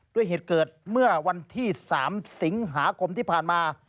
ด้วยเหตุเกิดเมื่อวันที่๓สิงหาคมที่ผ่านมา